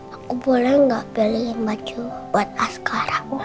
aku boleh gak pilih baju buat askara